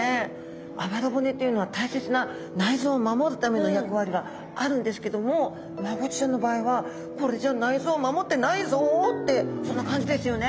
あばら骨っていうのは大切な内臓を守るための役割があるんですけどもマゴチちゃんの場合はってそんな感じですよね。